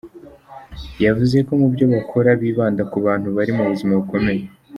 Yavuze ko mu byo bakora bibanda ku bantu bari mu buzima bukomeye.